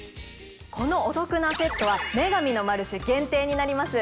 このお得なセットは『女神のマルシェ』限定になります。